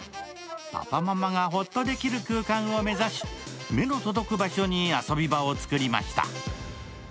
パパ・ママがホッとできる空間を目指し、目の届く場所に遊び場を作りました。